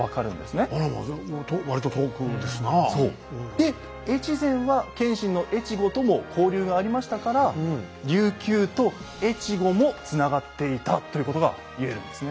で越前は謙信の越後とも交流がありましたから琉球と越後もつながっていたということが言えるんですね。